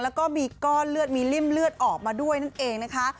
แล้วก็มีก้อนเลือดมีริ่มเลือดออกมาด้วยนั่นเองนะคะ